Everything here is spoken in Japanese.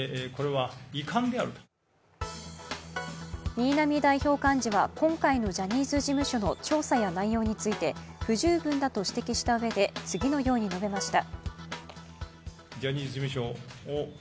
新浪代表幹事は今回のジャニーズ事務所の調査や内容について、不十分だと指摘したうえで、次のように述べました。